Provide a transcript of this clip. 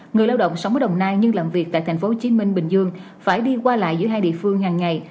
người lao động sống ở đồng nai nhưng làm việc tại tp hcm bình dương phải đi qua lại giữa hai địa phương hàng ngày